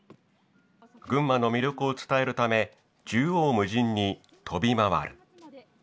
群馬の魅力を伝えるため縦横無尽に飛び回る。